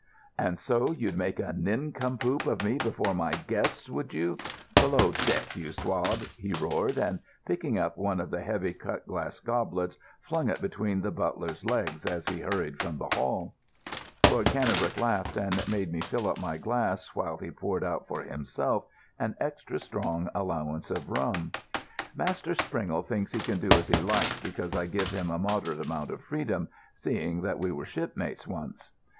"And so you'd make a nincompoop of me before my guests, would you? Below deck, you swab!" he roared, and, picking up one of the heavy cut glass goblets, flung it between the butler's legs as he hurried from the hall. Lord Cannebrake laughed and made me fill up my glass, while he poured out for himself an extra strong allowance of rum. "Master Springle thinks he can do as he likes because I give him a moderate amount of freedom, seeing that we were shipmates once."